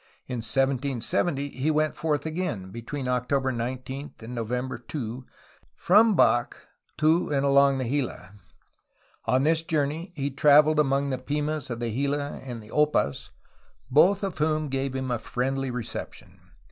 In 1770 he went forth again, between October 19 and November 2, from Bac to and along the Gila. On this journey he traveled among the Pimas of the Gila and the Opas, both of whom gave him a friendly reception.